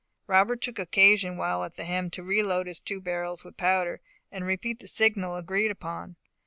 Robert took occasion while at the helm to re load his two barrels with powder, and repeat the signal agreed upon.